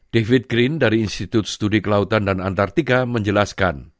david green dari institut studi kelautan dan antartika menjelaskan